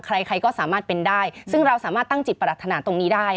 ใครใครก็สามารถเป็นได้ซึ่งเราสามารถตั้งจิตปรัฐนาตรงนี้ได้